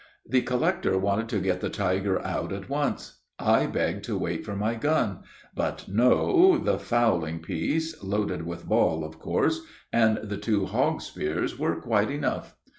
The collector wanted to get the tiger out at once. I begged to wait for my gun; but no the fowling piece (loaded with ball, of course) and the two hog spears were quite enough.